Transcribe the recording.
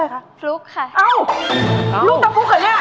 อ้าวลูกต่อลูกเหรอเนี่ย